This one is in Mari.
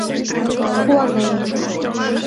куанен